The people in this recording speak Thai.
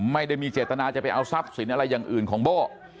ไม่ได้มีเจตนาจะไปเอาทรัพย์สินอะไรอย่างอื่นของโบ้